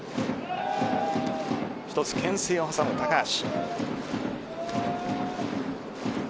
一つ、けん制を挟む高橋。